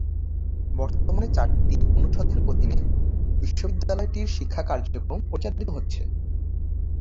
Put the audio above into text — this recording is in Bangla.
বর্তমানে চারটি অনুষদের অধীনে বিশ্ববিদ্যালয়টির শিক্ষা কার্যক্রম পরিচালিত হচ্ছে।